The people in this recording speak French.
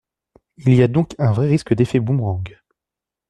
Il y a donc un vrai risque d’effet boomerang.